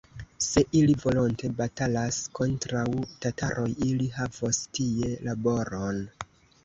Se ili volonte batalas kontraŭ tataroj, ili havos tie laboron!